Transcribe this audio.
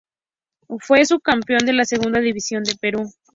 Fue subcampeón de la Segunda División del Perú.